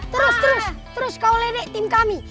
terus terus kau ledek tim kami